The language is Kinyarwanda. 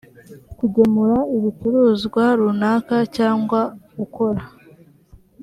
k ugemura ibicuruzwa runaka cyangwa ukora